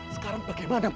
sekarang bagaimana pak